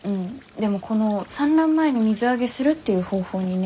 でもこの産卵前に水揚げするっていう方法にね